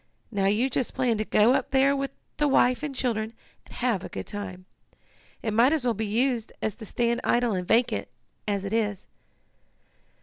Now you just plan to go up there with the wife and children, and have a good time. It might as well be used as to stand idle and vacant, as it is."